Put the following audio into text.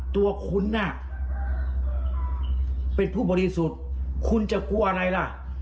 ตัวคุณน่ะเป็นผู้บริสุทธิ์คุณจะกลัวอะไรล่ะ